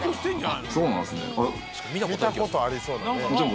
そうなんですね。